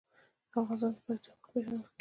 افغانستان د پکتیا له مخې پېژندل کېږي.